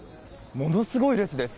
ものすごい列です。